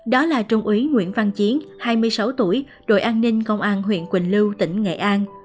đó là trung úy nguyễn văn chiến hai mươi sáu tuổi đội an ninh công an huyện quỳnh lưu tỉnh nghệ an